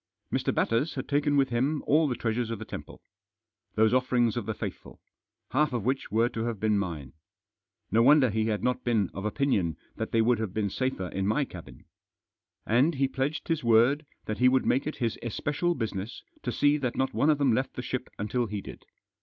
Mr. Batters had taken with him all the treasures of the temple. Those offerings of the faithful, half of which were to have been mine. No wonder he had ^ not been of opinion that they would have been safer In my cabin. And he pledged his word that he would make it his especial business to see that not one of them left the ship until he did.